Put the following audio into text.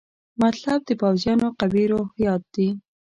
مطلب د پوځیانو قوي روحیات دي.